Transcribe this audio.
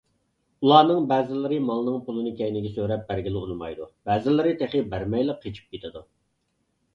ئۇلارنىڭ بەزىلىرى مالنىڭ پۇلىنى كەينىگە سۆرەپ بەرگىلى ئۇنىمايدۇ، بەزىلىرى تېخى بەرمەيلا قېچىپ كېتىدۇ.